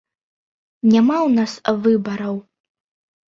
Няма ў нас выбараў.